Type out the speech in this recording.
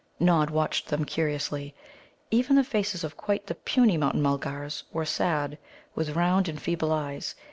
Nod watched them curiously. Even the faces of quite the puny Mountain mulgars were sad, with round and feeble eyes.